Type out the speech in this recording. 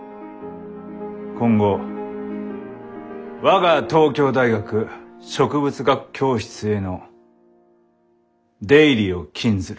今後我が東京大学植物学教室への出入りを禁ずる。